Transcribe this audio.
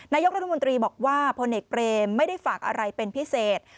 นายกรัฐมนตรีบอกว่าพลเอกเปรมไม่ได้ฝากอะไรเป็นพิเศษ